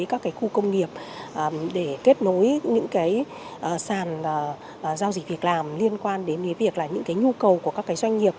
các khu công nghiệp để kết nối những sàn giao dịch việc làm liên quan đến những nhu cầu của các doanh nghiệp